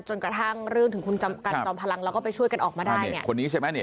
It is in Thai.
จนกระทั่งเรื่องถึงคุณจำกันจอมพลังแล้วก็ไปช่วยกันออกมาได้เนี่ยคนนี้ใช่ไหมเนี่ย